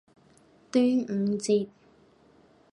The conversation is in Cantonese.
端午節